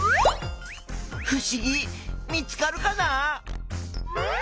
ふしぎ見つかるかな？